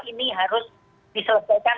ini harus diselesaikan